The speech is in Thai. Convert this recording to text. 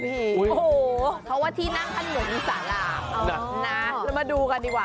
เพราะว่าที่นั่งข้างหน่วยมีสาราแล้วมาดูกันดีกว่า